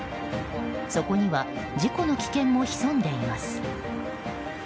そこには事故の危険も潜んでいます。